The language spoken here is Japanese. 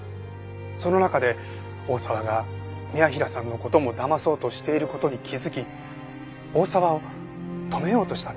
その中で大沢が宮平さんの事もだまそうとしている事に気づき大沢を止めようとしたんです。